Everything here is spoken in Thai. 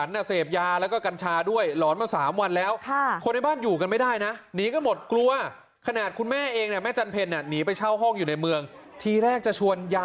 นักข่าวของเราครับวันนี้เลยน่ะ